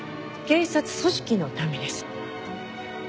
警察組織のためです。